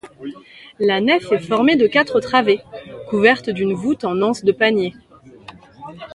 La nef est formée de quatre travées, couvertes d'une voûte en anse de panier.